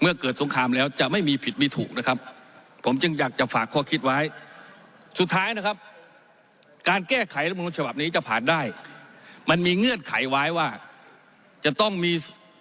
เกิดสงครามแล้วจะไม่มีผิดมีถูกนะครับผมจึงอยากจะฝากข้อคิดไว้สุดท้ายนะครับการแก้ไขรัฐมนุนฉบับนี้จะผ่านได้มันมีเงื่อนไขไว้ว่าจะต้องมี